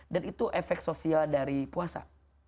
dan itu efek sosial dari puasa